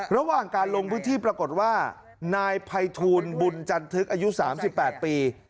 ระหว่างการลงพื้นที่ปรากฏว่านายภัยทูลบุญจันทึกอายุ๓๘ปี